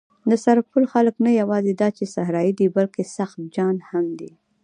د سرپل خلک نه یواځې دا چې صحرايي دي، بلکې سخت جان هم دي.